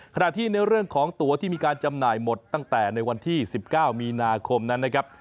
ขณะที่ในเรื่องของตัวที่มีการจำหน่ายหมดตั้งแต่ในวันที่๑๙มีนาคมนั้นนะครับ